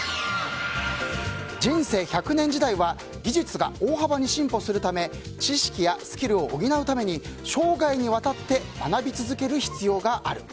人生１００年時代は技術が大幅に進歩するため知識やスキルを補うために生涯にわたって学び続ける必要がある。